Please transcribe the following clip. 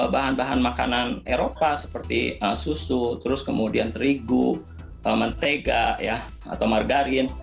bahan bahan makanan eropa seperti susu terus kemudian terigu mentega atau margarin